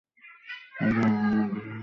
আমি, অন্য আমি হয়ে উঠতে চাই।